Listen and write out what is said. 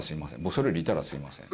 それよりいたらすみません。